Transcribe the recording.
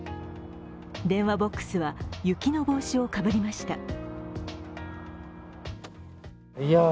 電話ボックスは雪の帽子をかぶりました。